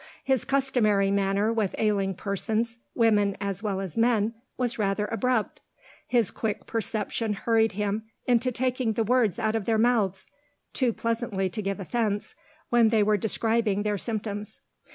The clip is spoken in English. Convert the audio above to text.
His customary manner with ailing persons, women as well as men, was rather abrupt: his quick perception hurried him into taking the words out of their mouths (too pleasantly to give offence) when they were describing their symptoms.